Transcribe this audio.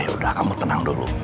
ya udah kamu tenang dulu